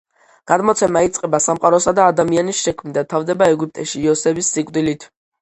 გადმოცემა იწყება სამყაროსა და ადამიანის შექმნით და თავდება ეგვიპტეში იოსების სიკვდილით.